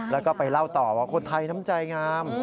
แล้วก็ไปเล่าต่อว่าคนไทยน้ำใจงาม